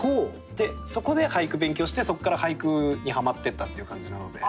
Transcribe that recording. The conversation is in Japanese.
でそこで俳句勉強してそこから俳句にハマってったっていう感じなので。